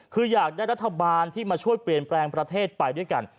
คืออยากได้รัฐบาลที่มาช่วยเปลี่ยนแปลงประเทศไปด้วยกัน